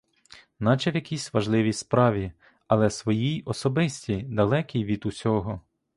Наче в якійсь важливій справі, але своїй особистій, далекій від усього.